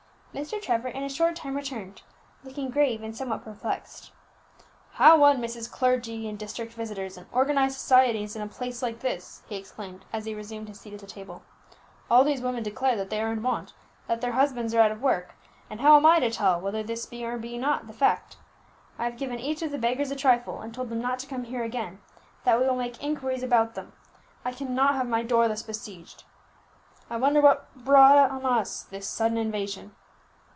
Mr. Trevor in a short time returned, looking grave and somewhat perplexed. "How one misses clergy, and district visitors, and organized societies in a place like this!" he exclaimed, as he resumed his seat at the table. "All these women declare that they are in want, that their husbands are out of work; and how am I to tell whether this be or be not the fact? I have given each of the beggars a trifle, and told them not to come here again, that we will make inquiries about them. I cannot have my door thus besieged. I wonder what brought on us this sudden invasion!"